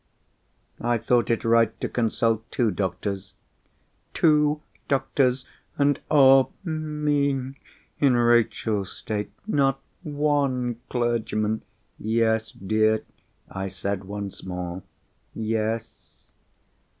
"I thought it right to consult two doctors." Two doctors! And, oh me (in Rachel's state), not one clergyman! "Yes, dear?" I said once more. "Yes?"